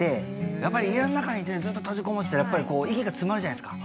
やっぱり家の中にいてねずっと閉じ籠もってたらやっぱり息が詰まるじゃないですか。